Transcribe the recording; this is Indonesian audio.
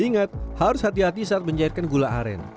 ingat harus hati hati saat mencairkan gula aren